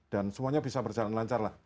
dan semuanya bisa berjalan lancar lah